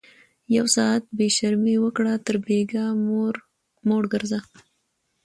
ـ يو ساعت بې شرمي وکړه تر بيګاه موړ ګرځه